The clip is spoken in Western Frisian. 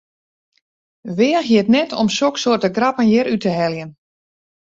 Weagje it net om soksoarte grappen hjir út te heljen!